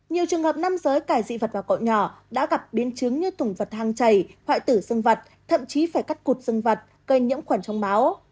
nhiều trường hợp năm giới cài dị vật vào cậu nhỏ đã gặp biên chứng như thùng vật hang chày hoại tử dương vật thậm chí phải cắt cụt dương vật gây nhiễm khoản trong máu